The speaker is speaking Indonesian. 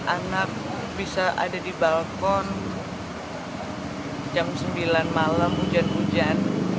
anak bisa ada di balkon jam sembilan malam hujan hujan